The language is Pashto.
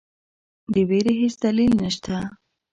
د وېرې هیڅ دلیل نسته.